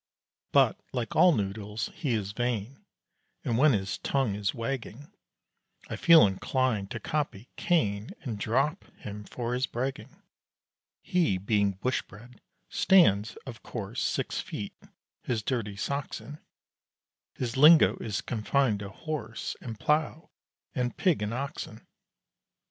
But, like all noodles, he is vain; And when his tongue is wagging, I feel inclined to copy Cain, And "drop" him for his bragging. He, being Bush bred, stands, of course, Six feet his dirty socks in; His lingo is confined to horse And plough, and pig and oxen.